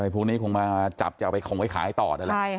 พรุ่งนี้คงมาจับจะเอาไปขงไว้ขายต่อได้หรือ